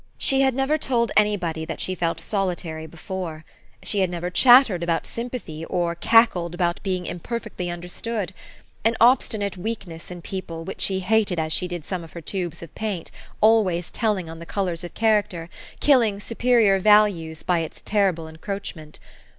She had never told anybody that she felt solitary before ; she had never chattered about sympathy, or cackled about being imperfectly understood ; an obstinate weakness in people, which she hated as she did some of her tubes of paint, always telling on the colors of character, killing superior values by its terrible encroachment.